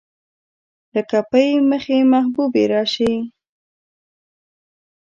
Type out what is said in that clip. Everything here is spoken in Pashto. لکه پۍ مخې محبوبې راشي